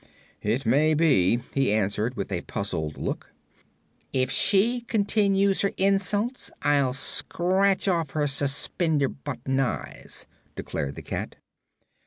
"It may be," he answered, with a puzzled look. "If she continues her insults I'll scratch off her suspender button eyes," declared the cat.